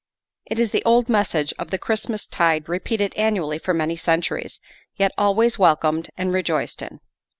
It is the old message of the Christmas tide repeated annually for many centuries, yet always welcomed and rejoiced in.